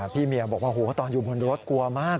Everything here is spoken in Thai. พี่เมียบอกว่าตอนอยู่บนรถกลัวมาก